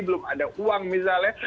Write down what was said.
belum ada uang misalnya